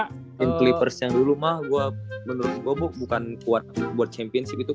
pemain clippers yang dulu mah gua menurut gua bukan buat championship itu